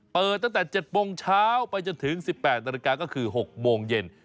เปิดตั้งแต่๗โมงเช้าไปจนถึง๑๘นาฬิกาก็คือ๖โมงเย็น